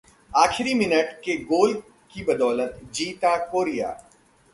आखिरी मिनट के गोल की बदौलत जीता कोरिया